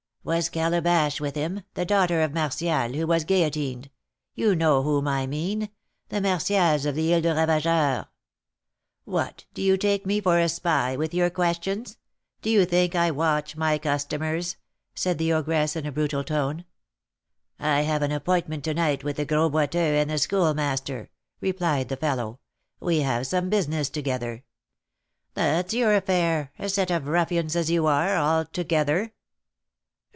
"Was Calebasse with him, the daughter of Martial, who was guillotined? You know whom I mean, the Martials of the Ile de Ravageur?" "What! do you take me for a spy, with your questions? Do you think I watch my customers?" said the ogress, in a brutal tone. "I have an appointment to night with the Gros Boiteux and the Schoolmaster," replied the fellow; "we have some business together." "That's your affair, a set of ruffians, as you are, altogether."